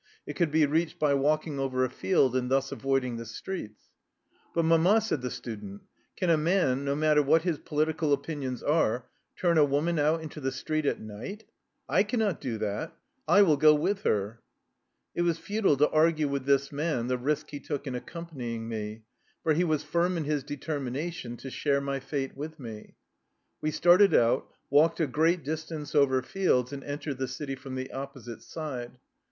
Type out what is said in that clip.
It could be reached by walking over a field and thus avoiding the streets. " But, mama," said the student, " can a man, no matter what his political opinions are, turn a woman out into the street at night? I cannot do that! / will go with her." It was futile to argue with this man the risk he took in accompanying me, for he was firm in his determination to share my fate with me. We started out, walked a great distance over fields, and entered the city from the oppo site side.